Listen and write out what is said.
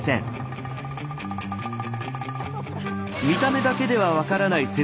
見た目だけでは分からない